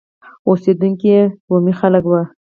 اوسېدونکي یې بومي خلک وو.